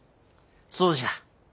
そうじゃ。